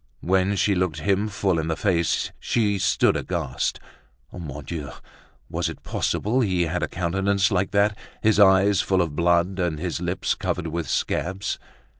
When she looked him full in the face, she stood aghast. Mon Dieu! was it possible he had a countenance like that, his eyes full of blood and his lips covered with scabs?